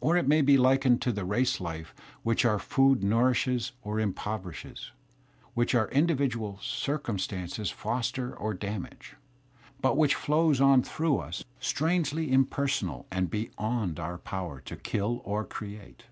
Or it may be likened to the race life which our food nourishes or im poverishes, which our individual drciunstances foster or damage, but which flows on through us, strangely impersonal and beyond our power to kill or create.